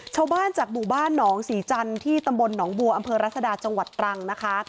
ชาวบ้านจากหมู่บ้านหนองศรีจันทร์ที่ตำบลหนองบัวอำเภอรัศดาจังหวัดตรังนะคะ